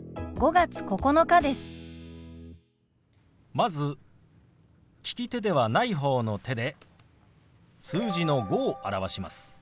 まず利き手ではない方の手で数字の「５」を表します。